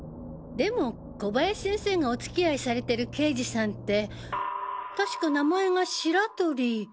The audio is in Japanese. でも小林先生がお付き合いされてる刑事さんって確か名前が「しらとり」。